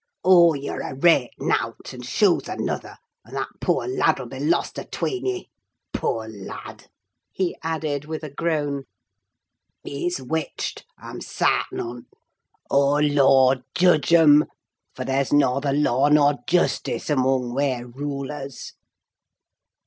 Oh! ye're a raight nowt; and shoo's another; and that poor lad 'll be lost atween ye. Poor lad!" he added, with a groan; "he's witched: I'm sartin on't. Oh, Lord, judge 'em, for there's norther law nor justice among wer rullers!"